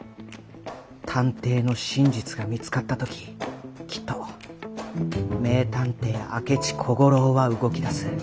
探偵の真実が見つかった時きっと名探偵明智小五郎は動き出す。